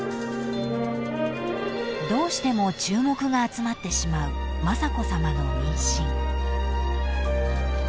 ［どうしても注目が集まってしまう雅子さまの妊娠］